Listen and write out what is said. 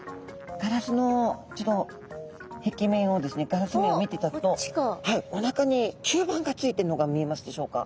ガラス面を見ていただくとおなかに吸盤がついているのが見えますでしょうか？